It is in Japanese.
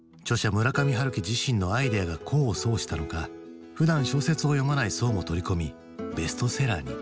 村上春樹自身のアイデアが功を奏したのかふだん小説を読まない層も取り込みベストセラーに。